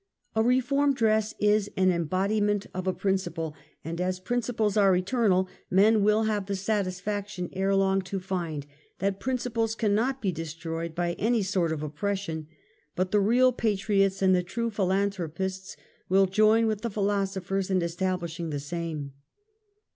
A reform dress is an embodiment of a principle ; and as "principles are eternal," men will have the satis faction ere long, to find that principles cannot be destroyed by any sort of oppression, but the real pa triots and the true philanthropists, will join with the philosophers in establishing the same.